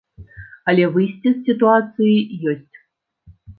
Але выйсце з сітуацыі ёсць.